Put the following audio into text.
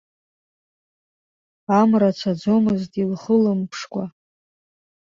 Амра цаӡомызт илхылымԥшкәа.